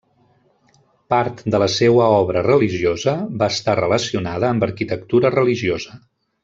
Part de la seua obra religiosa va estar relacionada amb arquitectura religiosa.